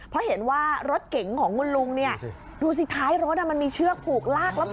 เพราะเห็นว่ารถเก๋งของคุณลุงเนี่ยดูสิท้ายรถมันมีเชือกผูกลากแล้ว